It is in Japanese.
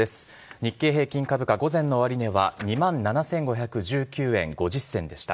日経平均株価、午前の終値は２万７５１９円５０銭でした。